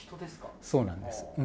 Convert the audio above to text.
そうなんです。